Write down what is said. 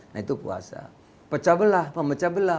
nah itu puasa pecah belah pemecah belah